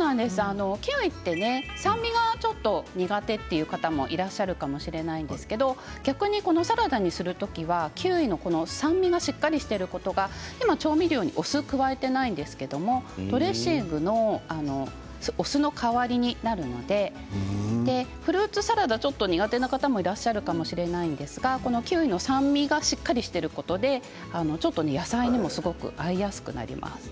キウイは酸味が苦手という方もいらっしゃるかもしれないですけど逆にサラダにする時はキウイの酸味がしっかりしていることが今、調味料にお酢を加えていないんですけどドレッシングのお酢の代わりになるのでフルーツサラダ苦手な方もいらっしゃるかもしれないんですがキウイの酸味がしっかりしていることで野菜にもすごく合いやすくなります。